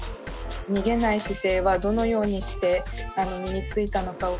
逃げない姿勢はどのようにして身についたのかを。